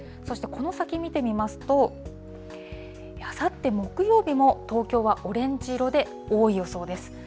そして、この先見てみますと、あさって木曜日も、東京はオレンジ色で多い予想です。